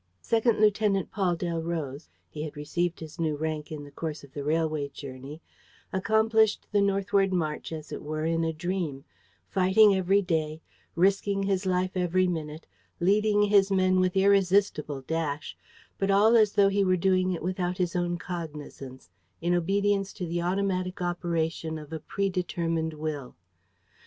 Second Lieutenant Paul Delroze he had received his new rank in the course of the railway journey accomplished the northward march as it were in a dream, fighting every day, risking his life every minute, leading his men with irresistible dash, but all as though he were doing it without his own cognizance, in obedience to the automatic operation of a predetermined will.